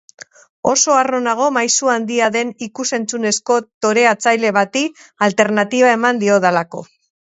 Oso harro nago maisu handia den ikus-entzunezko toreatzaile bati alternatiba eman diodalako.